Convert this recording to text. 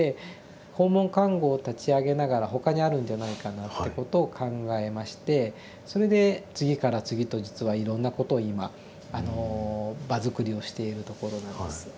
訪問看護を立ち上げながら他にあるんじゃないかなってことを考えましてそれで次から次と実はいろんなことを今場づくりをしているところなんです。